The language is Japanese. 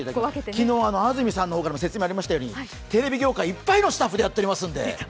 昨日、安住さんの方からも説明ありましたように、テレビ業界いっぱいのスタッフでやっていますので。